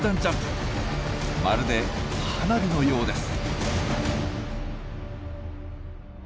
まるで花火のようです。